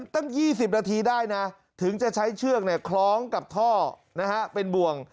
ตั้ง๒๐นาทีได้นะถึงจะใช้เชือกคล้องกับท่อนะฮะเป็นบ่วง